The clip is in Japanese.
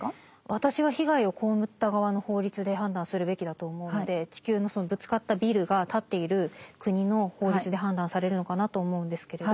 私は被害を被った側の法律で判断するべきだと思うので地球のそのぶつかったビルが建っている国の法律で判断されるのかなと思うんですけれど。